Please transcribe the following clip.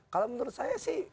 kalau menurut saya sih